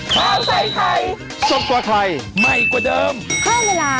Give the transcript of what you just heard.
สวัสดีค่ะสวัสดีค่ะสวัสดีค่ะ